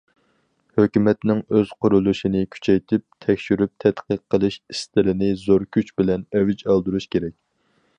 ھۆكۈمەتنىڭ ئۆز قۇرۇلۇشىنى كۈچەيتىپ، تەكشۈرۈپ تەتقىق قىلىش ئىستىلىنى زور كۈچ بىلەن ئەۋج ئالدۇرۇش كېرەك.